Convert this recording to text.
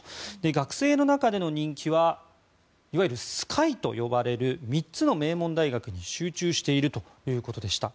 学生の中での人気はいわゆるＳＫＹと呼ばれる３つの名門大学に集中しているということでした。